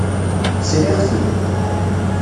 Sriɣ-ten.